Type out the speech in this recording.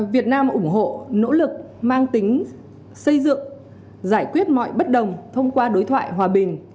việt nam ủng hộ nỗ lực mang tính xây dựng giải quyết mọi bất đồng thông qua đối thoại hòa bình